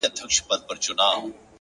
هدف واضح وي نو لار روښانه وي!